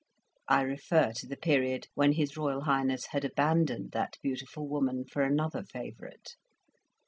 I refer to the period when his Royal Highness had abandoned that beautiful woman for another favourite.